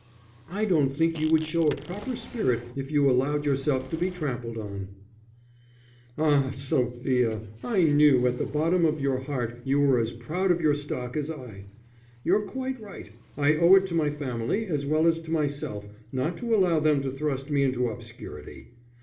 "I don't think you would show a proper spirit if you allowed yourself to be trampled on." "Ah, Sophia, I knew that at the bottom of your heart you were as proud of your stock as I. You're quite right. I owe it to my family as well as to myself not to allow them to thrust me into obscurity.